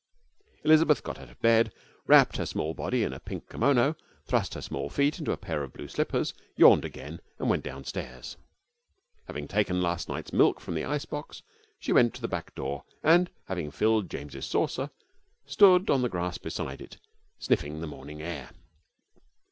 Elizabeth got out of bed, wrapped her small body in a pink kimono, thrust her small feet into a pair of blue slippers, yawned again, and went downstairs. Having taken last night's milk from the ice box, she went to the back door, and, having filled James's saucer, stood on the grass beside it, sniffing the morning air.